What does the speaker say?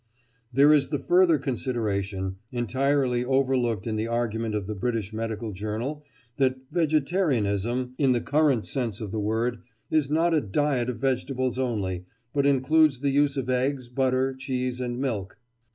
There is the further consideration, entirely overlooked in the argument of the British Medical Journal, that "vegetarianism," in the current sense of the word, is not a diet of vegetables only, but includes the use of eggs, butter, cheese, and milk.